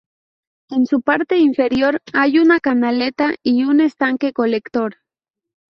En su parte inferior hay una canaleta y un estanque colector.